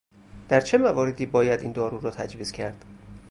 در چه مواردی باید این دارو را تجویز کرد؟